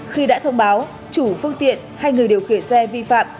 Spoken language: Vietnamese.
khi đã thông báo chủ phương tiện hay người điều khiển xe vi phạm